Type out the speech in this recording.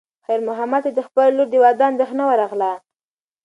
خیر محمد ته د خپلې لور د واده اندېښنه ورغله.